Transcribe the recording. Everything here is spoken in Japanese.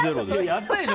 あったでしょ？